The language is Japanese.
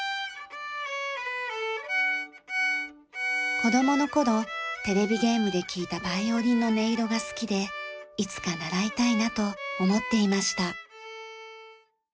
子供の頃テレビゲームで聴いたバイオリンの音色が好きでいつか習いたいなと思っていました。